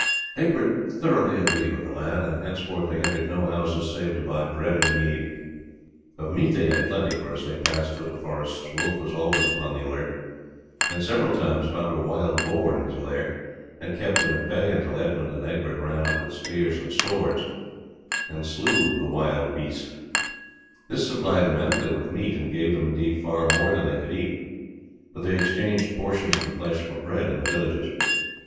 Egbert thoroughly agreed with the lad, and henceforth they entered no houses save to buy bread and mead. Of meat they had plenty, for as they passed through the forests Wolf was always upon the alert, and several times found a wild boar in his lair, and kept him at bay until Edmund and Egbert ran up and with spears and swords slew him. This supplied them amply with meat, and gave them indeed far more than they could eat, but they exchanged portions of the flesh for bread in the villages.